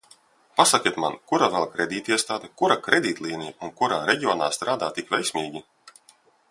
Pasakiet man, kura vēl kredītiestāde, kura kredītlīnija un kurā reģionā strādā tik veiksmīgi?